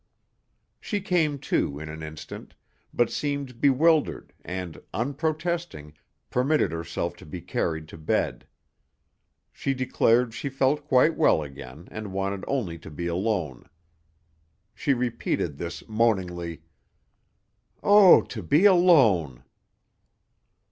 She came to in an instant, but seemed bewildered and, unprotesting, permitted herself to be carried to bed. She declared she felt quite well again and wanted only to be alone. She repeated this moaningly. "Oh, to be alone!"